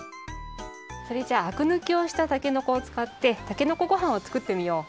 それじゃああくぬきをしたたけのこをつかってたけのこごはんをつくってみよう。